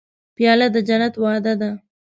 پیاله د جنت وعده ده.